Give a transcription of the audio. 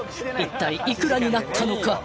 一体いくらになったのか？